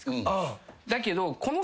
だけど。